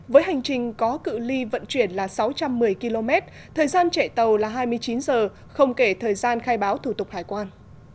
với hành trình có cự li vận chuyển là sáu trăm một mươi km thời gian chạy tàu là hai mươi chín giờ không kể thời gian khai báo thủ tục hải quan